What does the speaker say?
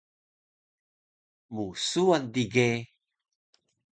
Msuwan dige